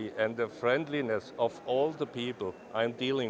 dan kebaikan semua orang yang saya hadapi